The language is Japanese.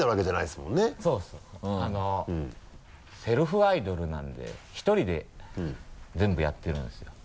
セルフアイドルなので１人で全部やってるんですよ。